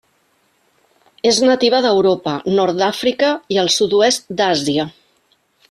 És nativa d'Europa, nord d'Àfrica i el sud-oest d'Àsia.